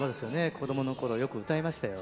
子供のころよく歌いましたよ。